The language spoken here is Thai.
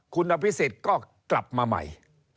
คุณอภิษฎก็กลับมาใหม่